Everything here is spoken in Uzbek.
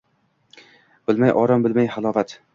Bilmay orom, bilmay halovat